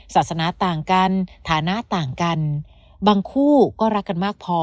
ศาสนาต่างกันฐานะต่างกันบางคู่ก็รักกันมากพอ